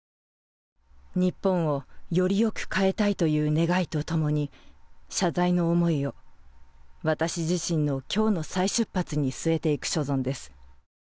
日本をより良く変えたいという願いとともに謝罪の思いを私自身の今日の再出発に据えていく所存です。